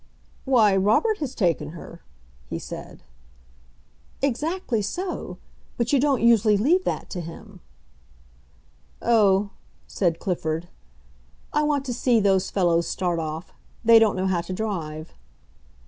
"Why, Robert has taken her," he said. "Exactly so. But you don't usually leave that to him." "Oh," said Clifford, "I want to see those fellows start off. They don't know how to drive."